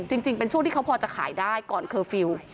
จริงเป็นช่วงที่เขาพอจะขายได้ก่อนเคอร์ฟิลล์